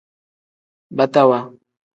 Batawa.